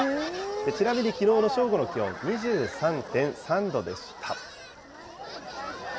ちなみにきのうの正午の気温２３．３度でした。